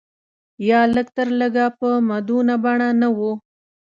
یا لږ تر لږه په مدونه بڼه نه و.